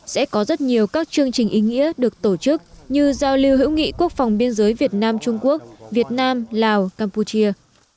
sẽ có rất nhiều các chương trình ý nghĩa được tổ chức như giao lưu hữu nghị quốc phòng biên giới việt nam trung quốc việt nam lào campuchia